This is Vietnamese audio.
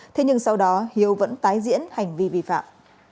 thế nhưng sau đó hiếu vẫn tái diễn hành vi vi phạm